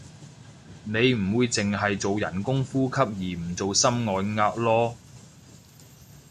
你唔會淨係做人工呼吸而唔做心外壓囉